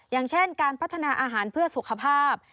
อย่างเช่นการพัฒนาอาหารเพื่อสุขภาพ